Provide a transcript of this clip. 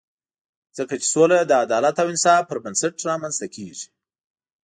ځکه چې سوله د عدالت او انصاف پر بنسټ رامنځته کېږي.